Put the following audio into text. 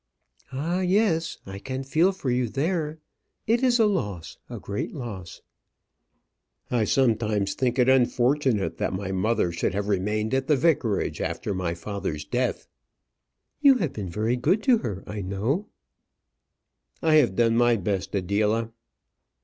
"Ah, yes. I can feel for you there. It is a loss; a great loss." "I sometimes think it unfortunate that my mother should have remained at the vicarage after my father's death." "You have been very good to her, I know." "I have done my best, Adela."